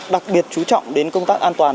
đặc biệt chú trọng đến công tác an toàn